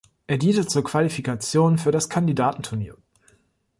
Er diente zur Qualifikation für das Kandidatenturnier.